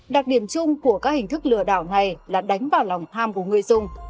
đặc điểm chung của các hình thức lừa đảo này là đánh vào lòng tham của người dùng